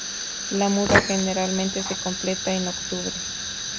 La muda generalmente se completa en octubre.